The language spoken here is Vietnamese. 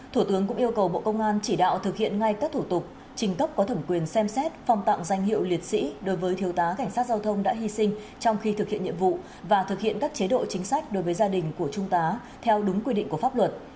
thủ tướng cũng yêu cầu bộ công an chỉ đạo thực hiện ngay các thủ tục trình cấp có thẩm quyền xem xét phong tặng danh hiệu liệt sĩ đối với thiếu tá cảnh sát giao thông đã hy sinh trong khi thực hiện nhiệm vụ và thực hiện các chế độ chính sách đối với gia đình của trung tá theo đúng quy định của pháp luật